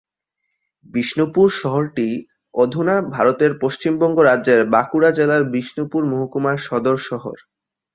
বিষ্ণুপুর শহরটি অধুনা ভারতের পশ্চিমবঙ্গ রাজ্যের বাঁকুড়া জেলার বিষ্ণুপুর মহকুমার সদর শহর।